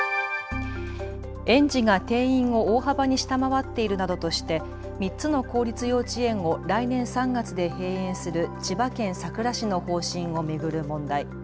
園児が定員を大幅に下回っているなどとして３つの公立幼稚園を来年３月で閉園する千葉県佐倉市の方針を巡る問題。